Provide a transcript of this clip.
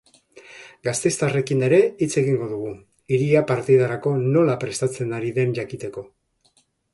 Gasteiztarrekin ere hitz egingo dugu, hiria partidarako nola prestatzen ari den jakiteko.